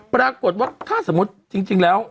ปรากฏว่าถ้าสมมุติจริงแล้ว